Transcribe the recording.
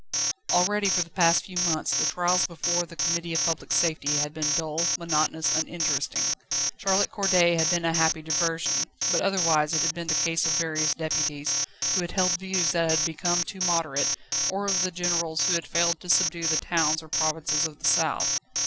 Already for the past few months, the trials before the Committee of Public Safety had been dull, monotonous, uninteresting. Charlotte Corday had been a happy diversion, but otherwise it had been the case of various deputies, who had held views that had become too moderate, or of the generals who had failed to subdue the towns or provinces of the south.